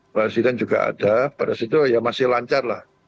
presiden juga ada pada situ ya masih lancar lah